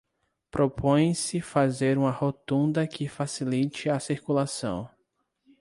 Propõe-se fazer uma rotunda que facilite a circulação.